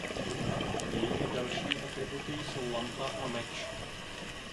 Jejími dalšími atributy jsou lampa a meč.